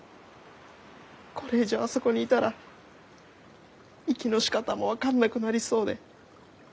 これ以上あそこにいたら息のしかたも分かんなくなりそうで。